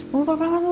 bu pelan pelan bu